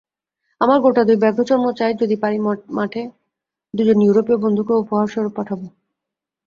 আমার গোটা দুই ব্যাঘ্রচর্ম চাই, যদি পারি মঠে দুজন ইউরোপীয় বন্ধুকে উপহাররূপে পাঠাব।